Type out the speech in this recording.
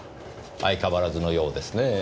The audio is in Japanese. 相変わらずのようですねぇ。